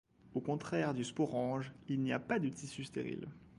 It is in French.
Au contraire du sporange, il n'y a pas de tissu stérile.